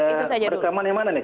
itu saja dulu rekaman yang mana nih